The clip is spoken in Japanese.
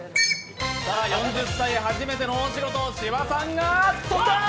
４０歳、初めての大仕事芝さんが跳んだ！